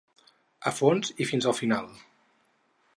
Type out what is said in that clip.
A fons i fins al final!